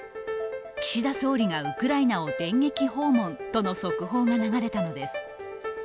岸田総理がウクライナを電撃訪問との速報が流れたのです。